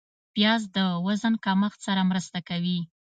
پیاز د وزن کمښت سره مرسته کوي